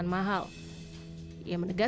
itu juga ada